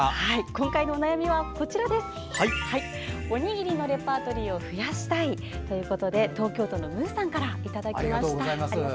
今回のお悩みは「おにぎりのレパートリーを増やしたい！」ということで東京都のむうさんからいただきました。